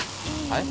はい？